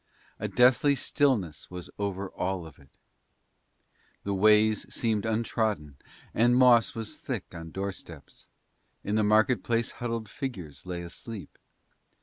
A deathly stillness was over all of it. The ways seemed untrodden, and moss was thick on doorsteps; in the market place huddled figures lay asleep.